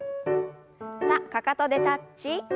さあかかとでタッチ。